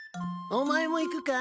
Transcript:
お前も行くか？